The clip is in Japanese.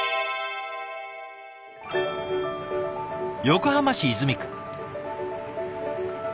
横浜市泉区。